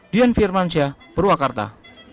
dian firmansyah purwakarta